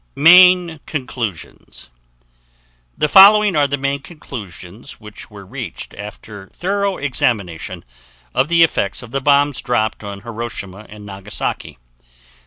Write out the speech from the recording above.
MAIN CONCLUSIONS The following are the main conclusions which were reached after thorough examination of the effects of the bombs dropped on Hiroshima and Nagasaki: 1.